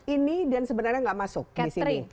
ini dan sebenarnya nggak masuk di sini